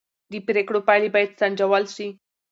د پرېکړو پایلې باید سنجول شي